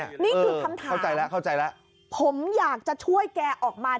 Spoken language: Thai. นี่คือคำถามผมอยากจะช่วยแกออกมา